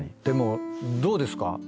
でもどうですか？